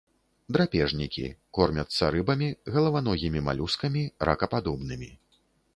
Драпежнікі, кормяцца рыбамі, галаваногімі малюскамі, ракападобнымі.